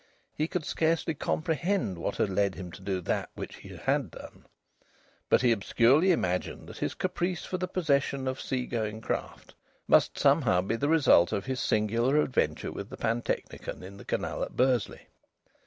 He could scarcely comprehend what had led him to do that which he had done. But he obscurely imagined that his caprice for the possession of sea going craft must somehow be the result of his singular adventure with the pantechnicon in the canal at Bursley.